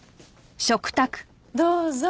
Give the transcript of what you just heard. どうぞ。